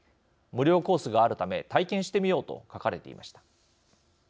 無料コースがあるため体験してみようと書かれていました。